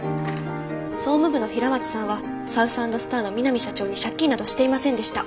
総務部の平松さんはサウス＆スターの三並社長に借金などしていませんでした。